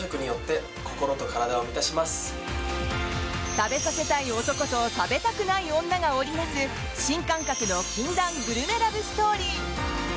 食べさせたい男と食べたくない女が織り成す新感覚の禁断グルメラブストーリー。